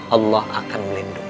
allah akan melindungi